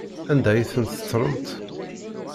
Anda ay ten-tettlemt?